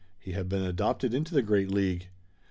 He had been adopted into the great League.